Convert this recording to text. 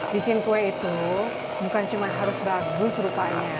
bikin kue itu bukan cuma harus bagus rupanya